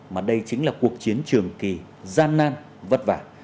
mà đây chính là cuộc chiến trường kỳ gian nan vất vả